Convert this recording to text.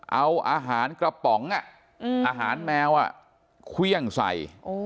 เอาอาหารกระป๋องอ่ะอืมอาหารแมวอ่ะเครื่องใส่โอ้ย